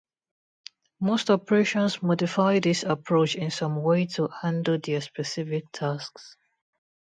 Most operations modify this approach in some way to handle their specific tasks.